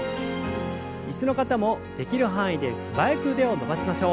椅子の方もできる範囲で素早く腕を伸ばしましょう。